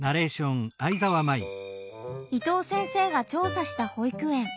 伊藤先生が調査した保育園。